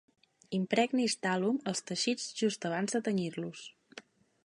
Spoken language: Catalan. Impregnis d'alum els teixits just abans de tenyir-los.